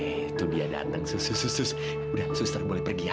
eh tuh dia dateng sus sus sus udah suster boleh pergi ya